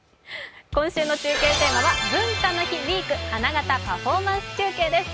今週の中継テーマは「文化の日ウイーク花形パフォーマンス中継」です。